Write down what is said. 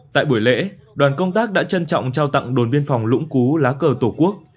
tại buổi lễ đoàn công tác đã trân trọng trao tặng đồn biên phòng lũng cú lá cờ tổ quốc